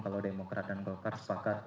kalau demokrat dan golkar sepakat